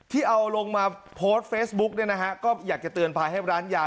ที่เอาลงมาโพสต์เฟซบุ๊กเนี่ยนะฮะก็อยากจะเตือนภัยให้ร้านยา